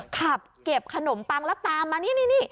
ขับเก็บขนมปังแล้วตามมานี่